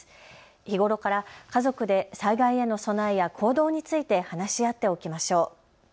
日頃から家族で災害への備えや行動について話し合っておきましょう。